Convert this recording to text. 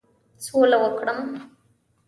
سوله وکړم.